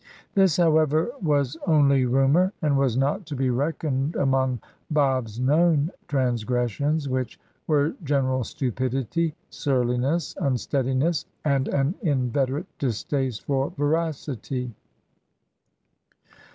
This, however, was only rumour, and was not to be reckoned among Bob's known transgressions, which were general stupidity, surliness, unsteadiness, and an inveterate distaste for veracity.